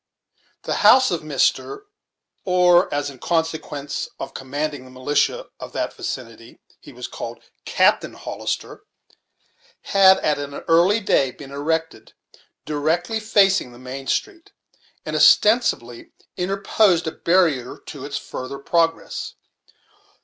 The house of Mr., or as, in consequence of commanding the militia of that vicinity, he was called, Captain Hollister, had, at an early day, been erected directly facing the main street, and ostensibly interposed a barrier to its further progress.